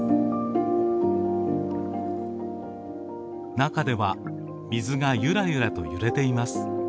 中では水がゆらゆらと揺れています。